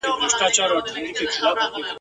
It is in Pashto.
اوس به له چا سره کیسه د شوګیریو کوم !.